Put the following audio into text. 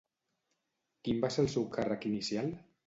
Quin va ser el seu càrrec inicial?